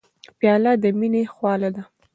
پیاله د مینې خواله ده.